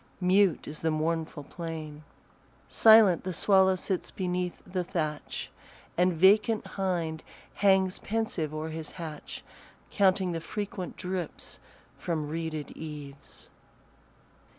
Mute is the mournful plain; Silent the swallow sits beneath the thatch, And vacant hind hangs pensive o'er his hatch, Counting the frequent drips from reeded eaves.